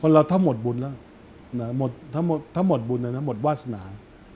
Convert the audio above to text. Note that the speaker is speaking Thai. คนเราถ้าหมดบุญแล้วถ้าหมดบุญแล้วถ้าหมดวาสนา